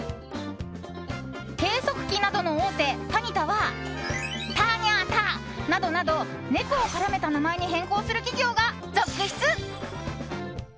計測器などの大手タニタはタニャタなどなど猫を絡めた名前に変更する企業が続出。